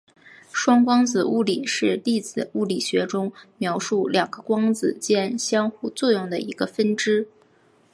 双光子物理是粒子物理学中描述两个光子间相互作用的一个分支。